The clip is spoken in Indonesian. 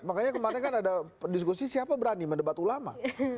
makanya kemarin kan ada diskusi siapa berani mendebat ulama